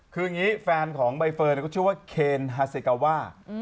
คืออย่างนี้แฟนของใบเฟิร์นก็ชื่อว่าเคนฮาเซกาว่า